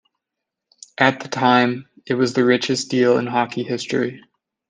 At the time, it was the richest deal in hockey history.